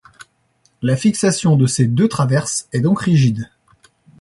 La fixation de ces deux traverses est donc rigide.